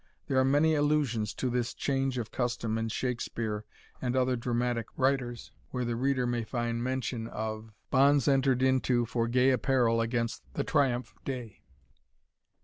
There are many allusions to this change of custom in Shakspeare and other dramatic writers, where the reader may find mention made of "Bonds enter'd into For gay apparel against the triumph day."